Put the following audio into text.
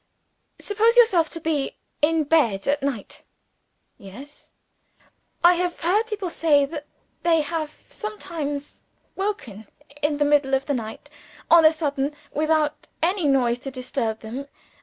"Suppose yourself to be in bed at night." "Yes?" "I have heard people say that they have sometimes woke in the middle of the night, on a sudden, without any noise to disturb them.